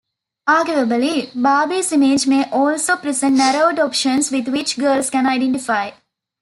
Arguably, Barbie's image may also present narrowed options with which girls can identify.